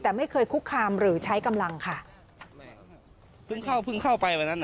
แต่ไม่เคยคุกคามหรือใช้กำลังค่ะ